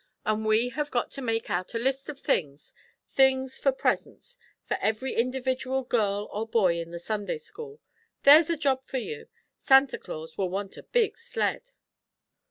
And we have got to make out a list of things things for presents, for every individual girl and boy in the Sunday school; there's a job for you. Santa Claus will want a big sled."